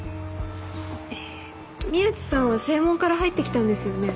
えっと宮地さんは正門から入ってきたんですよね？